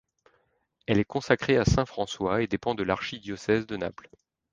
Elle est consacrée à saint François et dépend de l'archidiocèse de Naples.